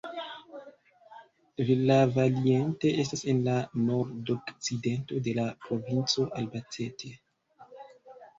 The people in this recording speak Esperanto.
Villavaliente estas en la nordokcidento de la provinco Albacete.